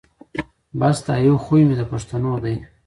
بس دا یو خوی مي د پښتنو دی